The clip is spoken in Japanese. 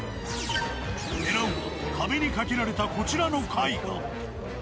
狙うは壁にかけられたこちらの絵画。